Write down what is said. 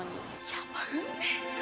「やっぱ運命じゃん」